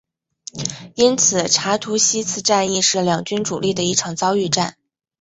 因此查图西茨战役是两军主力的一场遭遇战。